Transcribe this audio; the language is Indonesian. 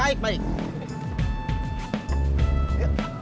baik baik baik